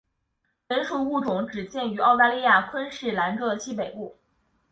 本属物种只见于澳大利亚昆士兰州的西北部。